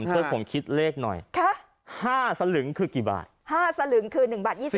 ช่วยผมคิดเลขหน่อยคะห้าสลึงคือกี่บาทห้าสลึงคือหนึ่งบาทยี่สิบ